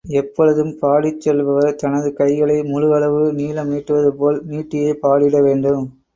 எப்பொழுதும் பாடிச் செல்பவர், தனது கைகளை முழு அளவு நீளம் நீட்டுவதுபோல் நீட்டியே பாடிட வேண்டும்.